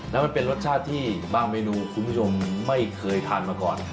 แล้วมันเป็นรสชาติที่บางเมนูคุณผู้ชมไม่เคยทานมาก่อน